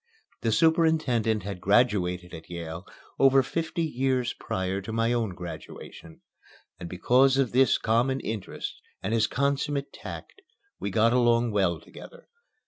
The superintendent had graduated at Yale over fifty years prior to my own graduation, and because of this common interest and his consummate tact we got along well together.